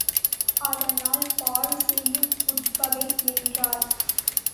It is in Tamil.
அதனால் பாழ் செய்யும் உட்பகை என்றார்.